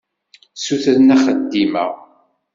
Ssutren axeddim-a.